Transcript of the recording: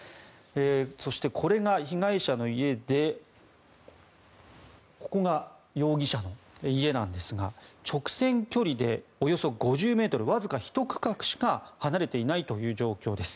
そして、これが被害者の家でここが容疑者の家なんですが直線距離でおよそ５０ｍわずか１区画しか離れていない状況です。